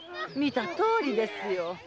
見たとおりですよ。